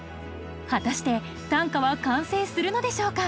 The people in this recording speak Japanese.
果たして短歌は完成するのでしょうか？